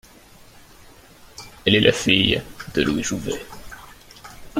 Elle est la fille de Louis Jouvet.